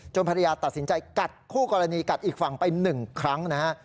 ภรรยาตัดสินใจกัดคู่กรณีกัดอีกฝั่งไป๑ครั้งนะฮะ